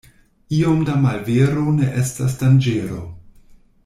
Iom da malvero ne estas danĝero.